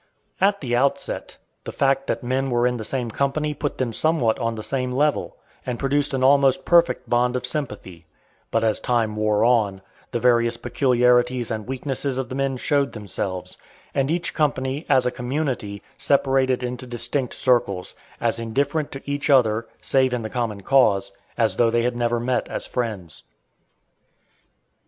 At the outset, the fact that men were in the same company put them somewhat on the same level, and produced an almost perfect bond of sympathy; but as time wore on, the various peculiarities and weaknesses of the men showed themselves, and each company, as a community, separated into distinct circles, as indifferent to each other, save in the common cause, as though they had never met as friends.